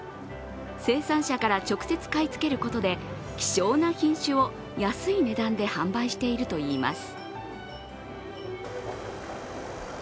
生産者から直接買い付けることで希少な品種を安い値段で販売しているといいます。